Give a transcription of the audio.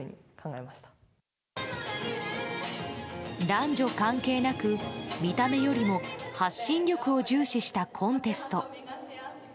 男女関係なく、見た目よりも発信力を重視したコンテスト。